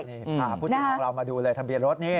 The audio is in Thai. ถามผู้ถูกของเรามาดูเลยทะเบียร์รถนี่